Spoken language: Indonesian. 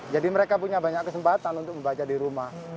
jadi mereka punya banyak kesempatan untuk membaca di rumah